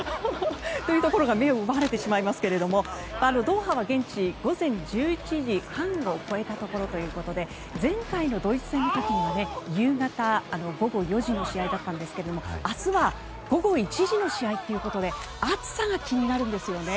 というところに目を奪われてしまいますがドーハは現地午前１１時半を越えたところということで前回のドイツ戦の時は夕方午後４時の試合だったんですが明日は午後１時の試合ということで暑さが気になるんですよね。